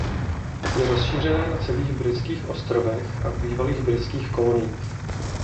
Je rozšířená na celých Britských ostrovech a v bývalých Britských koloniích.